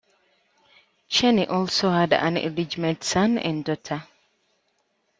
Cheney also had an illegitimate son and daughter.